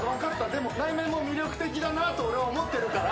でも内面も魅力的だなと俺は思ってるから。